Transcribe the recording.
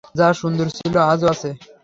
যা সুন্দর ছিল আজও আছে।